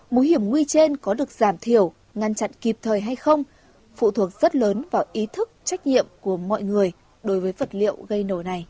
mối hiểm nguy trên có được giảm thiểu ngăn chặn kịp thời hay không phụ thuộc rất lớn vào ý thức trách nhiệm của mọi người đối với vật liệu gây nổ này